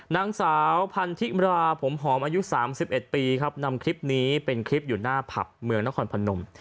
นางสาวพันธิมราผมหอมอายุ๓๑ปีครับนำคลิปนี้เป็นคลิปอยู่หน้าผับเมืองนครพนม